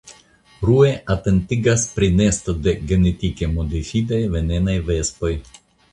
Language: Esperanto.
Rue atentigas pri nesto de genetike modifitaj venenaj vespoj.